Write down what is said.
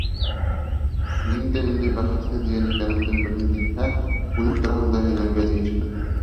— Минең дә ниндәй бәхетһеҙ йән икәнемде белгең килһә, үҙем тураһында һөйләргә тейешмен.